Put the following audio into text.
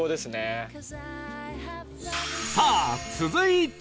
さあ続いては